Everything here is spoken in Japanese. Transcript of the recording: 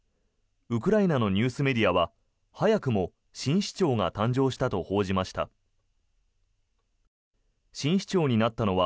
ウクライナのニュースメディアは早くも新市長が誕生したと報じました。